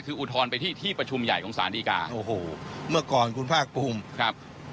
คืออุทธรณ์ไปที่ที่ประชุมใหญ่ของสารดีกาโอ้โหเมื่อก่อนคุณภาคภูมิครับ